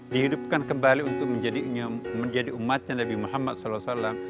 dihidupkan kembali untuk menjadi umatnya nabi muhammad saw